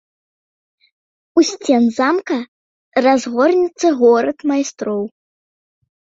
У сцен замка разгорнецца горад майстроў.